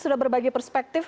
sudah berbagi perspektif